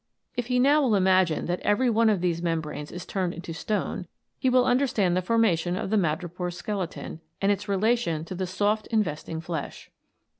If he will now imagine that every one of these membranes is turned into stone, he will understand the formation of the madrepore's skeleton, and its relation to the soft investing flesh.